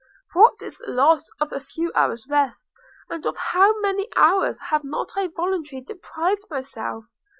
What is the loss of a few hours rest? and of how many hours have not I voluntarily deprived myself!